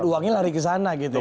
dan uangnya lari ke sana gitu ya